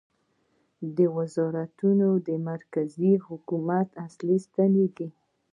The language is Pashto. وزارتونه د مرکزي حکومت اصلي ستنې دي